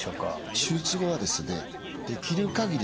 手術後はですねできる限り